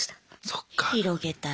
そっか。